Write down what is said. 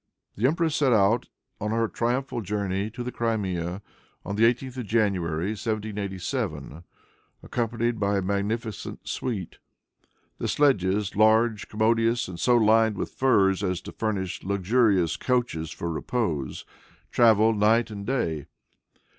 The empress set out on her triumphal journey to the Crimea, on the 18th of January, 1787, accompanied by a magnificent suite. The sledges, large, commodious and so lined with furs as to furnish luxurious couches for repose, traveled night and day.